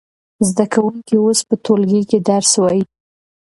زده کوونکي اوس په ټولګي کې درس وايي.